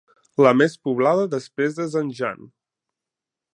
La més poblada després de Zanjan.